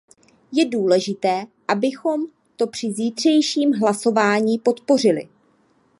Je důležité, abychom to při zítřejším hlasování podpořili.